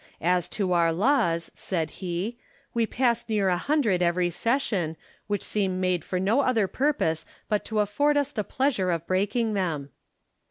" As to our laws," said he, " we pass near a hundred every session, which seem made for no other purpose but to afford us the pleasure of breaking them."